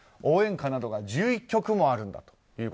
応援歌などが１１曲もあるんだと。